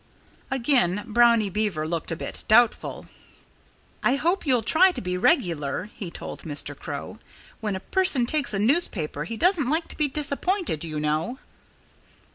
Again Brownie Beaver looked a bit doubtful. "I hope you'll try to be regular," he told Mr. Crow. "When a person takes a newspaper he doesn't like to be disappointed, you know."